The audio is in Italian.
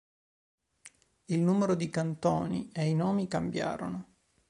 Il numero di cantoni e i nomi cambiarono.